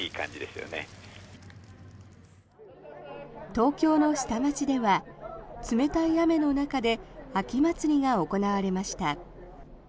東京の下町では冷たい雨の中で秋祭りが行われました。